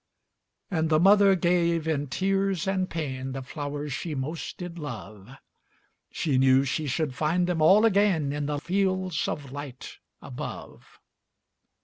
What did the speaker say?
'' And the mother gave, in tears and pain, The flowers she most did love; She knew she should find them all again In the fields of light above.